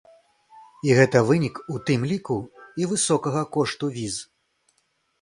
І гэта вынік, у тым ліку, і высокага кошту віз.